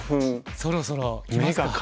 そろそろきますか。